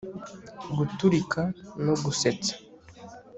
guturika no gusetsa